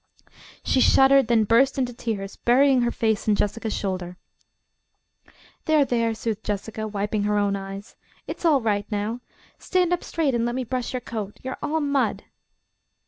She shuddered, then burst into tears, burying her face in Jessica's shoulder. "There, there," soothed Jessica, wiping her own eyes. "It's all right now. Stand up straight and let me brush your coat. You are all mud."